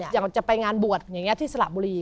อยากจะไปงานบวชอย่างนี้ที่สระบุรี